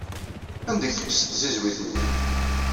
Anda i k-teqqes tzizwit-nni?